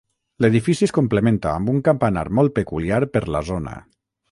L'edifici es complementa amb un campanar molt peculiar per la zona.